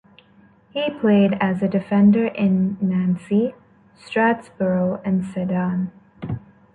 He played as a defender in Nancy, Strasbourg and Sedan.